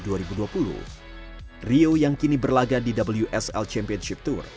di olimpiade tokyo dua ribu dua puluh rio yang kini berlagak di wsl championship tour